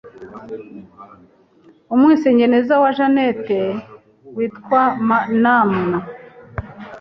Umwisengeneza wa Jeannette witwa Nana